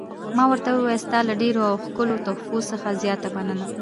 ما ورته وویل: ستا له ډېرو او ښکلو تحفو څخه زیاته مننه.